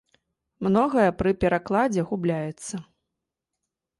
Многае пры перакладзе губляецца.